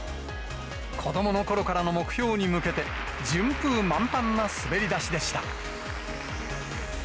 子どものころからの目標に向けて、順風満帆な滑り出しでした。